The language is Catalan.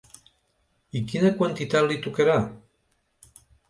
I quina quantitat li tocarà?